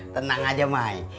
tenang aja mai